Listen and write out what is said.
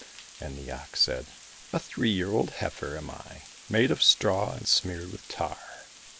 — And the ox said, " A three year old heifer am I, made of straw and smeared with tar."